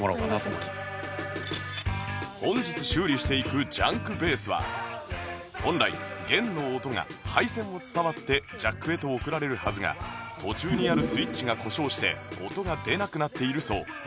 本日修理していくジャンクベースは本来弦の音が配線を伝わってジャックへと送られるはずが途中にあるスイッチが故障して音が出なくなっているそう